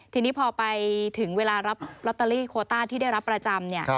ทีนี้พอไปถึงเวลารับลอตเตอรี่โคต้าที่ได้รับประจำเนี่ย